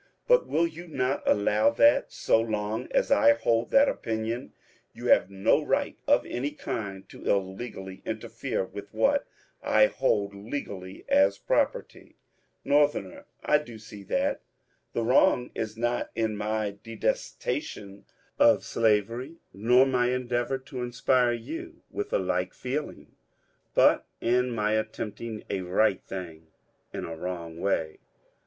But will you not allow that, so long as I hold that opinion, you have no right of any kind to illegally interfere with what I hold legally as pro perty ? Nor. — I do see that. The wrong is not in my detestation of slavery, nor my endeavour to inspire you witih a like feel ing, but in my attempting a right thing in a wrong way.